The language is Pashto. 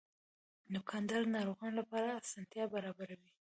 دوکاندار د ناروغانو لپاره اسانتیا برابروي.